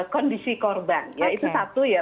kondisi korban ya itu satu ya